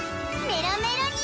メロメロに！